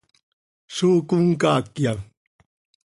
¿Zó comcaacya?